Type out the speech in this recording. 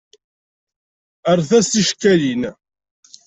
Rret-as ticekkalin.